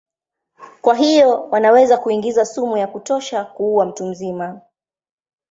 Kwa hivyo wanaweza kuingiza sumu ya kutosha kuua mtu mzima.